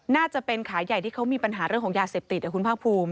น่าจะเป็นขายใหญ่ที่เขามีปัญหาเรื่องของยาเสพติดคุณภาคภูมิ